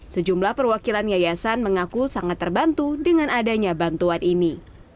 sejumlah perwakilan yayasan mengaku sangat terbantu dengan adanya bantuan ini